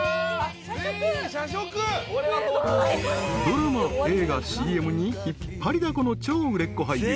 ［ドラマ映画ＣＭに引っ張りだこの超売れっ子俳優遠藤］